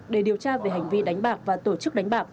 để điều tra về hành vi đại dịch